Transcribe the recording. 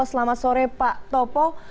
selamat sore pak topo